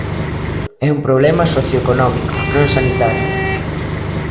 É un problema socioeconómico, non sanitario.